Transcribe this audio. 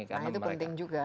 nah itu penting juga